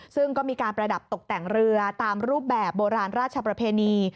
ซึ่งก็มีการประดับตกแต่งเรือตามรูปแบบโบราณราชประเพณี